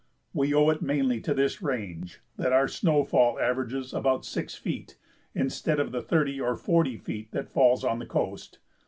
We owe it mainly to this range that our snowfall averages about six feet instead of the thirty or forty feet that falls on the coast.